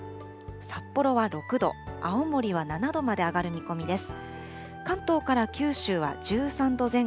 札幌は６度、青森は７度まで上がる見込みです。